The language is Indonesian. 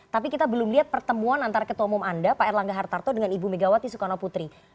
tapi kita belum lihat pertemuan antara ketua umum anda pak erlangga hartarto dengan ibu megawati soekarno putri